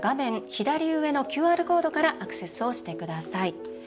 左上のＱＲコードからアクセスをしてください。